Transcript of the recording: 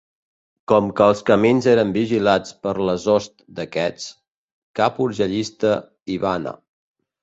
Com que els camins eren vigilats per les hosts d'aquests, cap urgellista hi va anar.